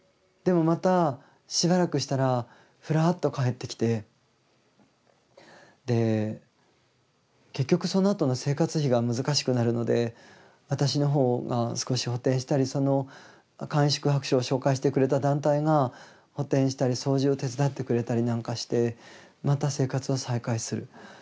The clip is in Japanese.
でもまたしばらくしたらふらっと帰ってきて結局そのあとの生活費が難しくなるので私の方が少し補填したり簡易宿泊所を紹介してくれた団体が補填したり掃除を手伝ってくれたりなんかしてまた生活を再開する。